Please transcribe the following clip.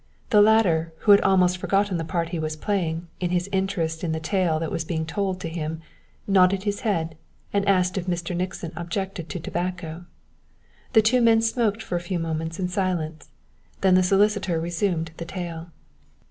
The latter, who had almost forgotten the part he was playing, in his interest in the tale that was being told to him, nodded his head and asked if Mr. Nixon objected to tobacco. The two men smoked for a few moments in silence, then the solicitor resumed the tale.